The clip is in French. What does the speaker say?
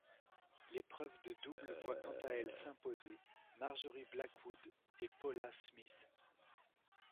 L'épreuve de double voit quant à elle s'imposer Marjorie Blackwood et Paula Smith.